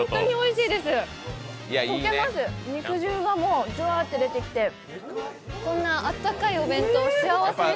肉汁がじゅわっと出てきてこんなあったかいお弁当幸せです。